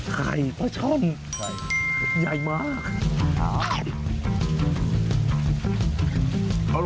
ใช่ปลาช่อนใหญ่มากค่ะครับครับใช่